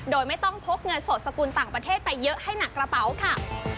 โดยไม่ต้องพกเงินสดสกุลต่างประเทศไปเยอะให้หนักกระเป๋าค่ะ